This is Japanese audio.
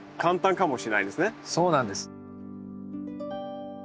そうなんです。